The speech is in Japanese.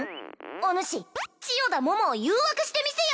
おぬし千代田桃を誘惑してみせよ！